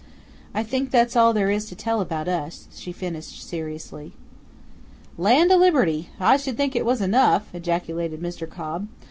I think that's all there is to tell about us," she finished seriously. "Land o' Liberty! I should think it was enough," ejaculated Mr. Cobb.